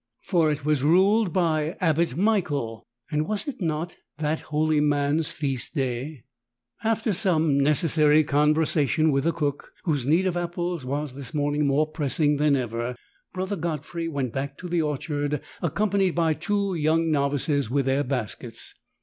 For it was ruled by Abbot Michael, and was it not that holy man's feast day ? After some necessary conversation with the cook, whose need of apples was this morning more pressing than ever, Brother Godfrey went back to the orchard, accompanied by two young novices with their baskets.